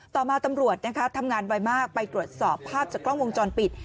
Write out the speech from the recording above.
ต่อมาตำรวจนะคะทำงานไวมากไปตรวจสอบภาพจากกล้องวงจรปิด